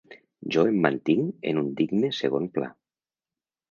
Jo em mantinc en un digne segon pla.